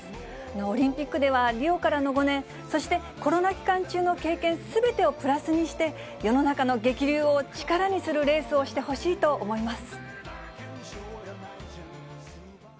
オリンピックでは、リオからの５年、そしてコロナ期間中の経験すべてをプラスにして、世の中の激流を力にするレースをしてほしいと思います。